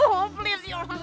oh please ya allah